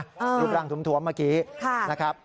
รูปร่างถวมเมื่อกี้นะครับ